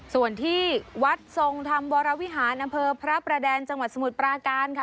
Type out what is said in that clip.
ส่วนที่วัดทรงธรรมวรวิหารอำเภอพระประแดงจังหวัดสมุทรปราการค่ะ